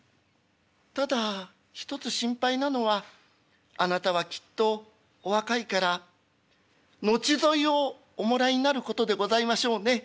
ただ１つ心配なのはあなたはきっとお若いから後添いをおもらいになることでございましょうね。